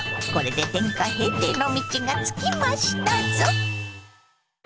これで天下平定の道がつきましたぞ。